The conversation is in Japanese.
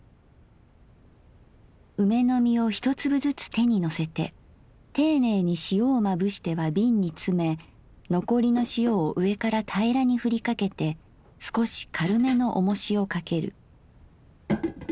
「梅の実を一粒ずつ手にのせて丁寧に塩をまぶしては瓶につめ残りの塩を上からたいらにふりかけてすこし軽めのおもしをかける。